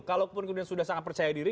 kalaupun kemudian sudah sangat percaya diri